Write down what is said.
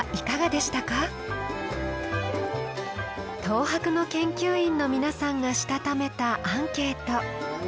東博の研究員の皆さんがしたためたアンケート。